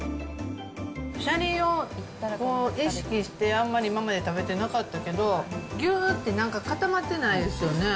シャリを意識して、あんまり今まで食べてなかったけど、ぎゅーってなんか固まってないですよね。